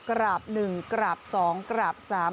กราบหนึ่งกราบสองกราบสาม